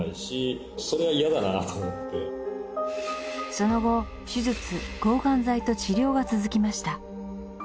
その後手術抗がん剤と治療が続きました。